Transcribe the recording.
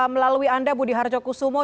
melalui anda budi harjo kusumo